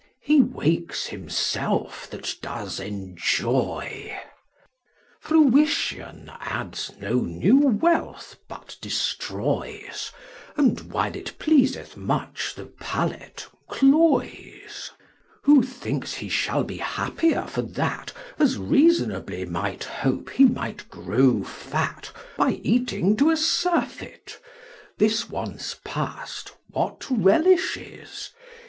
He wakes himself that does enjoy. 15 Sir John Suckling Fruition adds no new Wealth, but destroys, And, while it pleaseth much the Palate, cloys ; Who thinks he shall be happier for that As reasonably might hope ne might grow fat By eating to a Surfeit ; this once past, What relishes